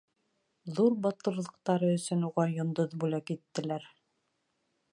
Ҙур батырлыҡтары өсөн уға йондоҙ бүләк иттеләр.